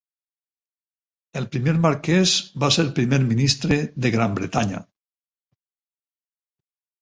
El primer Marquess va ser primer ministre de Gran Bretanya.